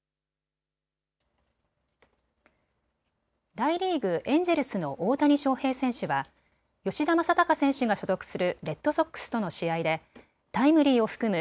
大リーグ、エンジェルスの大谷翔平選手は吉田正尚選手が所属するレッドソックスとの試合でタイムリーを含む